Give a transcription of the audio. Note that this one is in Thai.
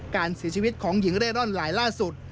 การเสียชีวิตของหญิงเร่ร่อนหลายล่าสุด